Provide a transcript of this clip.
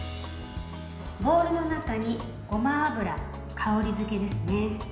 ボウルの中にごま油、香り付けですね。